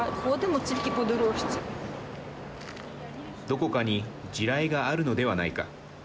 どこかに地雷があるのではないか。